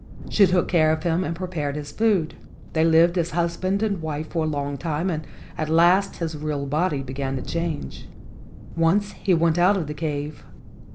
She took care of him and prepared his food. They lived as husband and wife for a long time, and at last his real body began to change. Once he went out of the cave.